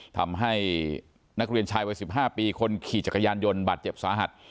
ทำให้นักเรียนชายวัย๑๕ปีคนขี่จักรยานยนต์บาดเจ็บสาหัส